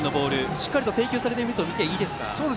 しっかり制球されているとみていいですか。